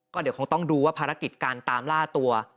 เดี๋ยวคงต้องดูว่าภารกิจการตามล่าตัว